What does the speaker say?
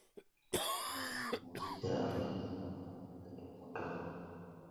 muziki rfi jina langu ni pendo pondovi